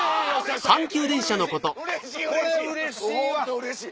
うれしい！